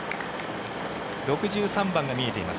６３番が見えています。